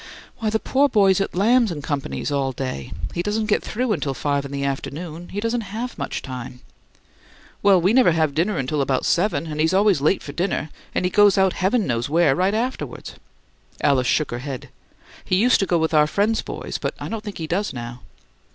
"Why, the poor boy's at Lamb and Company's all day. He doesn't get through until five in the afternoon; he doesn't HAVE much time." "Well, we never have dinner until about seven, and he's always late for dinner, and goes out, heaven knows where, right afterward!" Alice shook her head. "He used to go with our friends' boys, but I don't think he does now."